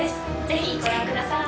ぜひご覧ください。